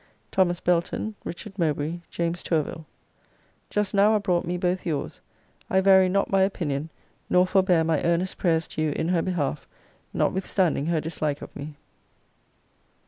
THOMAS BELTON, RICHARD MOWBRAY, JAMES TOURVILLE. Just now are brought me both yours. I vary not my opinion, nor forbear my earnest prayers to you in her behalf, notwithstanding her dislike of me.